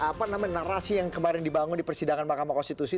apa namanya narasi yang kemarin dibangun di persidangan mahkamah konstitusi